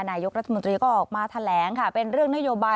นายกรัฐมนตรีก็ออกมาแถลงค่ะเป็นเรื่องนโยบาย